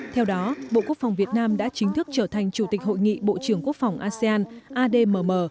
theo đó bộ quốc phòng việt nam đã chính thức trở thành chủ tịch hội nghị bộ trưởng quốc phòng asean admm